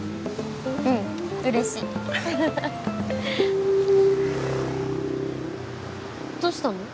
うん嬉しいどうしたの？